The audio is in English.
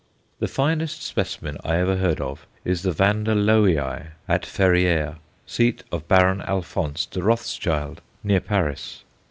The finest specimen I ever heard of is the V. Lowii at Ferrières, seat of Baron Alphonse de Rothschild, near Paris.